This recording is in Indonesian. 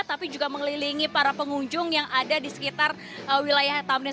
tapi juga mengelilingi para pengunjung yang ada di sekitar wilayah tamrin